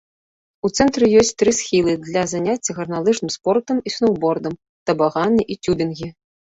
У цэнтры ёсць тры схілы для заняцця гарналыжным спортам і сноўбордам, табаганы і цюбінгі.